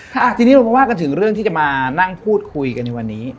ค่ะทีนี้เรามาว่ากันถึงเรื่องที่จะมานั่งพูดคุยกันในวันนี้